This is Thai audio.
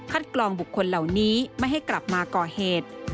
กรองบุคคลเหล่านี้ไม่ให้กลับมาก่อเหตุ